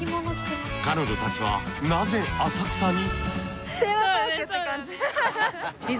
彼女たちはなぜ浅草に？